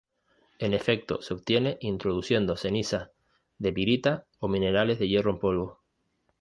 En efecto se obtiene introduciendo cenizas de pirita o minerales de hierro en polvo.